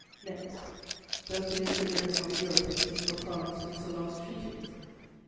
"Next, does the equilibrium of Europe exist for France since the last treaties?